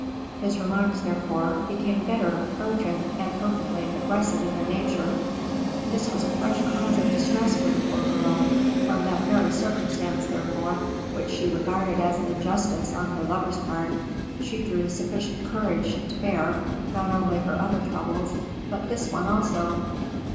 His remarks, therefore, became bitter, urgent, and openly aggressive in their nature. This was a fresh cause of distress for the poor girl. From that very circumstance, therefore, which she regarded as an injustice on her lover's part, she drew sufficient courage to bear, not only her other troubles, but this one also.